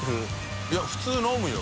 い普通飲むよ。